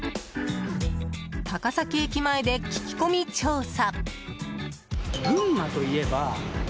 高崎駅前で聞き込み調査。